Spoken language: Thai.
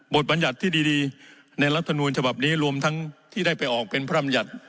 บทบรรยัติที่ดีดีในรัฐธรรมนูญฉบับนี้รวมทั้งที่ได้ไปออกเป็นพร่ำหยัด